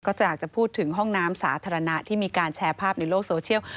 จะอยากจะพูดถึงห้องน้ำสาธารณะที่มีการแชร์ภาพในโลกโซเชียล